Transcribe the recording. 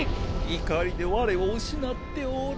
怒りで我を失っておる。